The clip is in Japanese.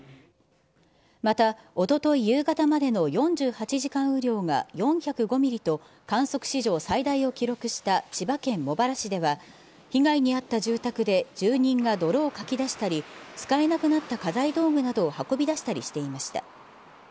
また、おととい夕方までの４８時間雨量が４０５ミリと観測史上最大を記録した千葉県茂原市では、被害に遭った住宅で住人が泥をかき出したり、使えなくなった家財道具などを運び出したりしていました。